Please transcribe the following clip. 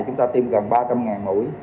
chúng ta tiêm gần ba trăm linh mũi